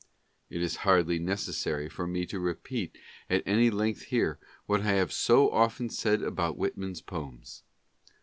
It is hardly necessary for me to repeat at any length here, what I have so often said about Whitman's poems.